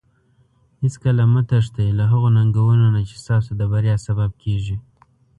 هیڅکله مه تښتي له هغو ننګونو نه چې ستاسو د بریا سبب کیږي.